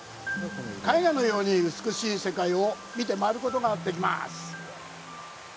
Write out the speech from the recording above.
絵画のように美しい世界を見て回ることができます。